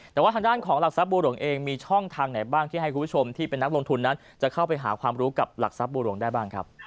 แต่ว่าทางด้านของหลักทรัพย์บัวหลวงเองมีช่องทางไหนบ้างที่ให้คุณผู้ชมที่เป็นนักลงทุนนั้นจะเข้าไปหาความรู้กับหลักทรัพย์บัวหลวงได้บ้างครับ